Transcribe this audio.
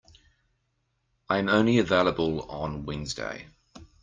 I am only available on Wednesday.